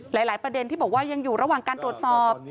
หลายประเด็นที่บอกว่ายังอยู่ระหว่างการตรวจสอบ